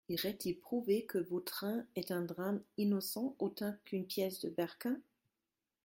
Irait-il prouver que Vautrin est un drame innocent autant qu’une pièce de Berquin ?